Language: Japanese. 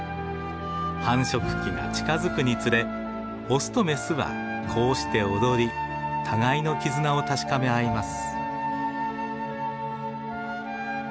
繁殖期が近づくにつれオスとメスはこうして踊り互いの絆を確かめ合います。